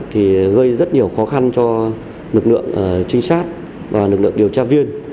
thì gây rất nhiều khó khăn cho lực lượng trinh sát và lực lượng điều tra viên